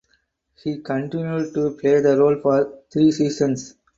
He continued to play the role for three seasons.